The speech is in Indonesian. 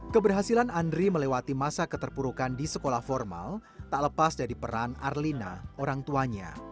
keberhasilan andri melewati masa keterpurukan di sekolah formal tak lepas dari peran arlina orang tuanya